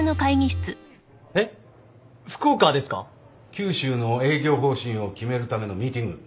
九州の営業方針を決めるためのミーティング。